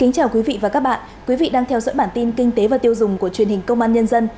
chào mừng quý vị đến với bản tin kinh tế và tiêu dùng của truyền hình công an nhân dân